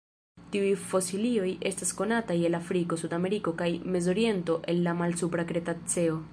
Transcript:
Tiuj fosilioj estas konataj el Afriko, Sudameriko, kaj Mezoriento el la Malsupra Kretaceo.